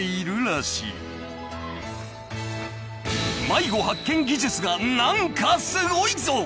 ［迷子発見技術が何かすごいぞ！］